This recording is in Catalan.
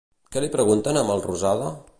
Què li pregunten a Melrosada?